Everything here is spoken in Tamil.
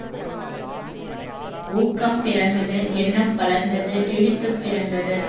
ஊக்கம் பிறந்தது எண்ணம் வளர்ந்தது எழுத்துப் பிறந்தது!